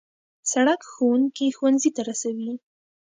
سړک ښوونکي ښوونځي ته رسوي.